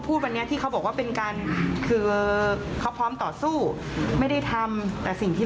มองว่าเขาเป็นคนที่กูสามารถทำทุกอย่างได้